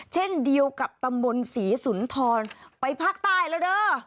เช่นเดียวกับตำบลศรีสุนทรไปภาคใต้แล้วเด้อ